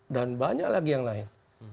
dan banyak lagi yang lain